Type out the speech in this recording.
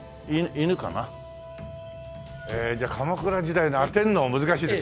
へえじゃあ鎌倉時代のを当てるの難しいですね。